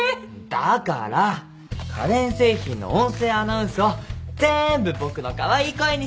だから家電製品の音声アナウンスをぜんぶ僕のカワイイ声にしちゃうんです。